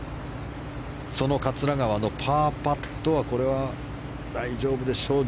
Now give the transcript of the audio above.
その桂川のパーパットは大丈夫でしょう。